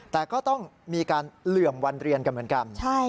แต่ก็ต้องมีการเหลื่อมวันเรียนกันเหมือนกัน